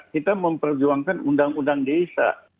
kita memperjuangkan undang undang desa